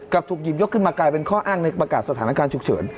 ถูกหยิบยกขึ้นมากลายเป็นข้ออ้างในประกาศสถานการณ์ฉุกเฉิน